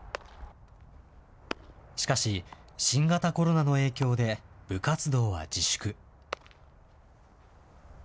しかし、新型コロナの影響で、部活動は自粛。